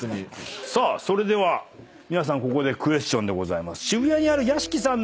さあそれでは皆さんここでクエスチョンでございます。